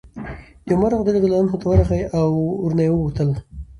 دی عمر رضي الله عنه ته ورغی او ورنه ویې غوښتل